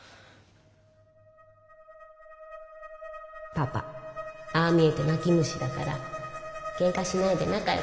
パパああ見えて泣き虫だからけんかしないで仲よくね。